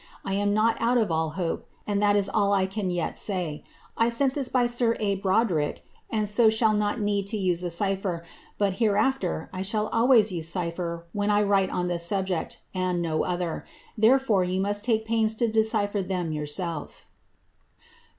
1 am not out of all hope, and that in yet say. I send this by sir A. Broderick, and so shall not use cypher, but hereafter, I shall always use cypher when I tliis subject, and no other ; therefore, you must take pains to • them yourself."